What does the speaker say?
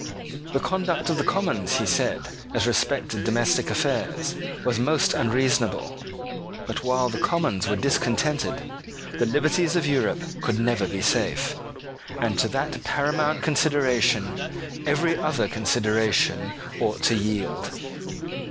The conduct of the Commons, he said, as respected domestic affairs, was most unreasonable but while the Commons were discontented the liberties of Europe could never be safe; and to that paramount consideration every other consideration ought to yield.